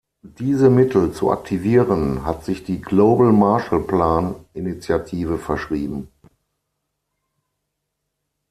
Diese Mittel zu aktivieren hat sich die Global Marshall Plan Initiative verschrieben.